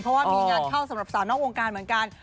เพราะว่ามีงานเข้าสำหรับสาวนอกวงการเหมือนกัน